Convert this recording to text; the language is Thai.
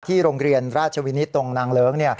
โรงเรียนราชวินิตตรงนางเลิ้ง